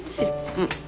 うん。